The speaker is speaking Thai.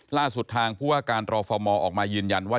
ล่าสุดทางเพราะว่าการรอฟอร์มอล์ออกมายืนยันว่า